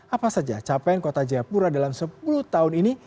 apa saja capaian kota jayapura dalam sepuluh tahun ini